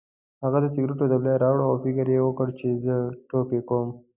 هغه د سګرټو ډبې راوړې او فکر یې وکړ چې زه ټوکې کوم.